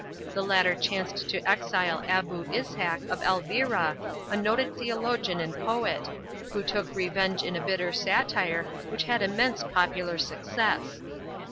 The latter chanced to exile Abu Ishac of Elvira, a noted theologian and poet, who took revenge in a bitter satire which had immense popular success.